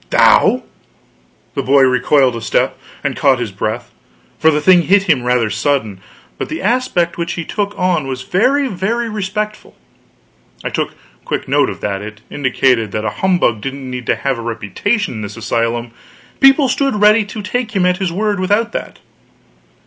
"Thou!" The boy recoiled a step, and caught his breath, for the thing hit him rather sudden; but the aspect which he took on was very, very respectful. I took quick note of that; it indicated that a humbug didn't need to have a reputation in this asylum; people stood ready to take him at his word, without that.